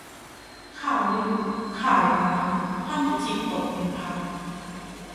ข่าวลือข่าวร้ายทำให้จิตตกเป็นพัก